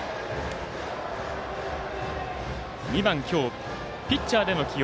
２番、今日ピッチャーでの起用